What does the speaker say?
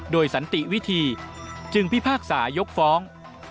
โดยสันติวิธีจึงพิพากษายกฟ้อง